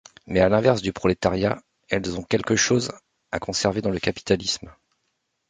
Mais à l'inverse du prolétariat, elles ont quelque chose à conserver dans le capitalisme.